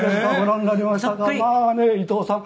「まあね伊東さん